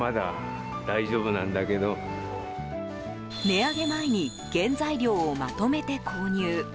値上げ前に原材料をまとめて購入。